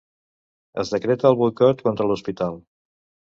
Es decreta el boicot contra l'hospital.